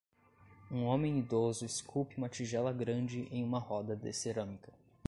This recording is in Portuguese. Um homem idoso esculpe uma tigela grande em uma roda de cerâmica.